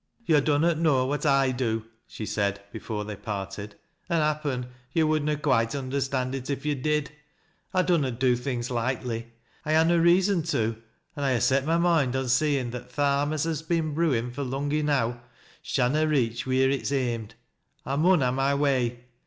" Yo' dunnot know what / do," she said before they parted. "An' happen yo' would na quoite understand il if yo' did. I dunnot do things lightly, — I ha' no reason to, — an' I ha' set my moind on seein' that th' harm as has been brewin' fur long enow, shanna reach wheer it's aimed [ mun ha' my way.